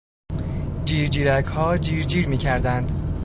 جیرجیرکها جیرجیر میکردند.